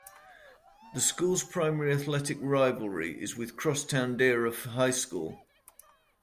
The school's primary athletic rivalry is with cross-town Dieruff High School.